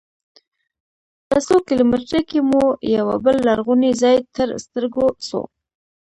په څو کیلومترۍ کې مو یوه بل لرغونی ځاې تر سترګو سو.